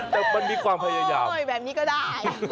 แต่มันมีความพยายามช่วยแบบนี้ก็ได้